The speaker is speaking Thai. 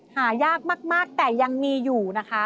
หายากมากแต่ยังมีอยู่นะคะ